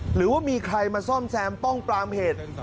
หรือว่ามีใครมาซ่อมแซมป้องปรามเหตุ